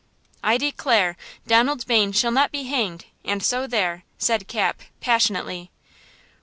"I declare, Donald Bayne shall not be hanged–and so there!" said Cap, passionately.